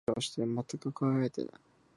傷だらけで、鈍い色をしている。全く輝いていない。